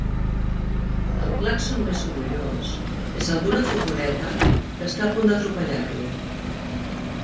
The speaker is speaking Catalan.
El clàxon més sorollós és el d'una furgoneta que està a punt d'atropellar-lo.